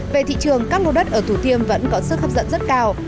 về thị trường các lô đất ở thủ thiêm vẫn có sức hấp dẫn rất cao